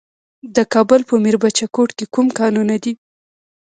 د کابل په میربچه کوټ کې کوم کانونه دي؟